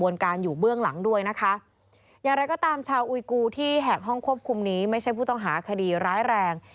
อย่างไรก็ตามชาวอุยกูที่แหกห้องควบคุมนี้ไม่ใช่ผู้ตองหาอัคดีร้ายแรง